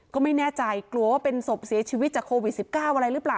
ก็ไม่แน่ใจกลัวว่าเป็นศพเสียชีวิตจากโควิด๑๙อะไรหรือเปล่า